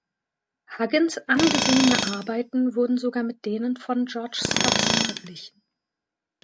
Huggins angesehene Arbeiten wurden sogar mit denen von George Stubbs verglichen.